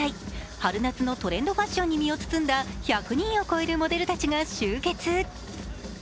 春夏のトレンドファッションに身を包んだ１００人を超えるモデルたちが集結。